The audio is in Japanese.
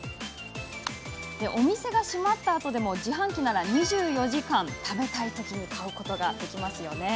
お店が閉まったあとでも自販機なら２４時間食べたいときに買うことができます。